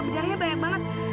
biaranya banyak banget